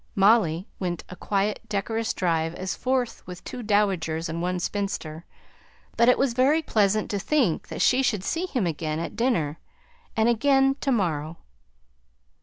Molly went a quiet decorous drive as fourth with two dowagers and one spinster; but it was very pleasant to think that she should see him again at dinner, and again to morrow.